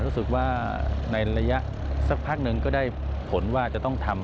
รู้สึกว่าในระยะสักพักหนึ่งก็ได้ผลว่าจะต้องทำ